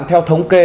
theo thống kê